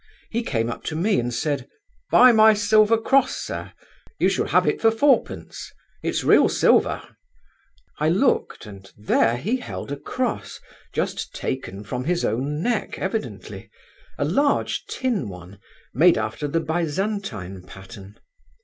He came up to me and said, 'Buy my silver cross, sir! You shall have it for fourpence—it's real silver.' I looked, and there he held a cross, just taken off his own neck, evidently, a large tin one, made after the Byzantine pattern.